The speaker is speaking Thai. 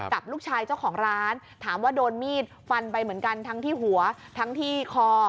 กับลูกชายเจ้าของร้านถามว่าโดนมีดฟันไปเหมือนกันทั้งที่หัวทั้งที่คอ